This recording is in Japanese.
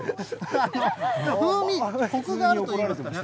風味、こくがあるといいますかね。